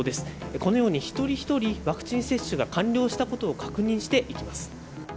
このように一人一人、ワクチン接種が完了したことを確認していきます。